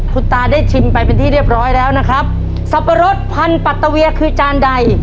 คุณตาได้ชิมไปเป็นที่เรียบร้อยแล้วนะครับสับปะรดพันธัตเวียคือจานใด